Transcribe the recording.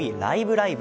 ライブ！